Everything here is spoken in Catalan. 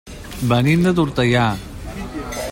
Venim de Tortellà.